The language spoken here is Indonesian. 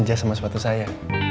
jas sama sepatu saya